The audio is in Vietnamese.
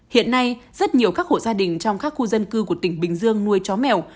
hiện nay rất nhiều các hộ gia đình trong các khu dân cư của tỉnh bình dương nuôi chó mèo